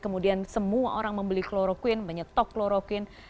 kemudian semua orang membeli kloroquine menyetok kloroquine